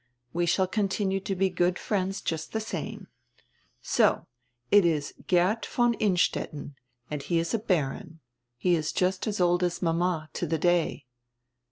We shall continue to be good friends just die same. So it is Geert von Innstetten and he is a Baron. He is just as old as mama, to die day."